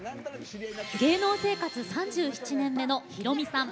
芸能生活３７年目のヒロミさん。